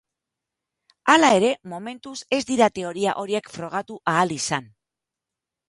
Hala ere, momentuz ez dira teoria horiek frogatu ahal izan.